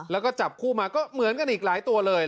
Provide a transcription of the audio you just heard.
แล้วก็จับคู่มาก็เหมือนกันอีกหลายตัวเลย